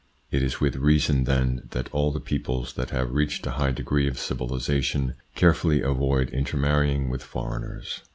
It is with reason, then, that all the peoples that have reached a high degree of civilisation carefully avoid intermarrying with foreigners.